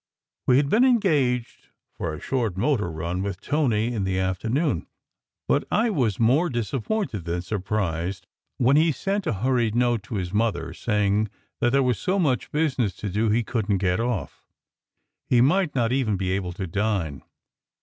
We had been engaged for a short motor run with Tony in the afternoon, but I was more disappointed than surprised when he sent a hurried note to his mother saying that there was so much business to do he couldn t get off. He might not even be able to dine.